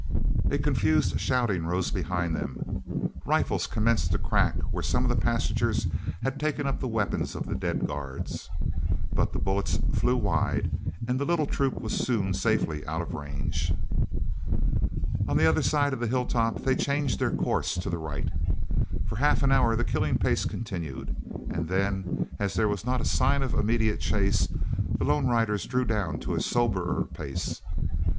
A confused shouting rose behind them. Rifles commenced to crack where some of the passengers had taken up the weapons of the dead guards, but the bullets flew wide, and the little troop was soon safely out of range. On the other side of the hill top they changed their course to the right. For half an hour the killing pace continued, and then, as there was not a sign of immediate chase, the lone riders drew down to a soberer pace.